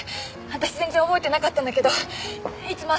私全然覚えてなかったんだけどいつも